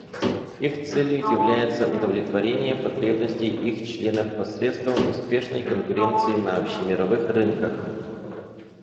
Их целью является удовлетворение потребностей их членов посредством успешной конкуренции на общемировых рынках.